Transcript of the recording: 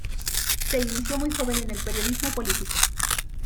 Se inició muy joven en el periodismo político.